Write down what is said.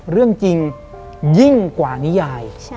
เรื่องจริงยิ่งกว่านิยาย